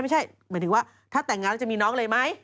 ไม่ใช่หมายถึงว่าถ้าแต่งงานแล้วจะมีน้องเลยไหม